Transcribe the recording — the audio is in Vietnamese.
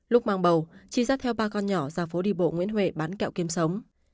lúc mang bầu chi giác theo ba con nhỏ ra phố đi bộ nguyễn huệ bán kẹo kiếm sống